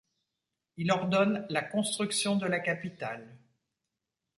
Il ordonne la construction de la capitale.